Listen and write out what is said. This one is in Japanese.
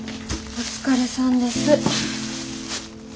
お疲れさんです。